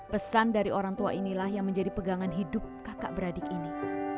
pesan dari orang tua inilah yang menjadi pegangan hidup kakak beradik ini